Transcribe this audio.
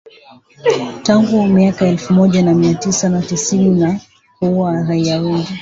tangu miaka ya elfu moja mia tisa na tisini na kuua raia wengi